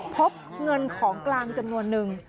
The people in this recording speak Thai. พบเงินของกลางจำนวนนึง